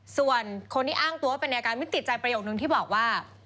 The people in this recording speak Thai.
ส่วนคนที่อ้างตัวว่าเป็นอาการไม่ติดใจประโยคนึงที่บอกว่า